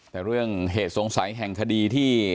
แต่เรื่องเหตุสงสัยแห่งคดีที่